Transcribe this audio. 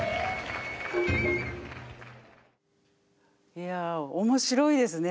いや面白いですね。